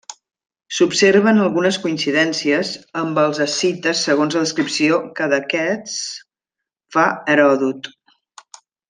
S'observen algunes coincidències amb els escites segons la descripció que d'aquests fa Heròdot.